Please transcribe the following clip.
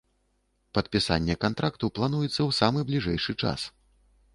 Падпісанне кантракту плануецца ў самы бліжэйшы час.